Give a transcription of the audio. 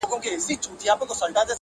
خو پر ټولنيزو رسنيو